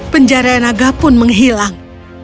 penjarai naga pun menghilang